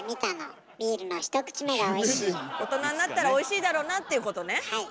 大人になったらおいしいだろうなっていうことね。